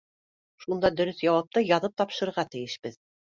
Шунда дөрөҫ яуапты яҙып тапшырырға тейешбеҙ.